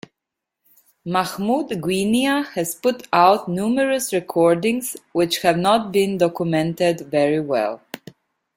Mahmoud Guinia has put out numerous recordings, which have not been documented very well.